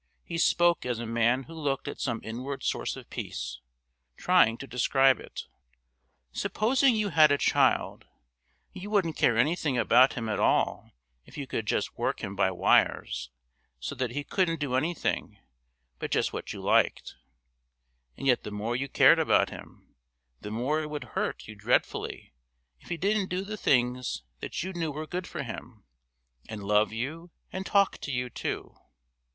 He spoke as a man who looked at some inward source of peace, trying to describe it. "Supposing you had a child, you wouldn't care anything about him at all if you could just work him by wires so that he couldn't do anything but just what you liked; and yet the more you cared about him, the more it would hurt you dreadfully if he didn't do the things that you knew were good for him, and love you and talk to you too.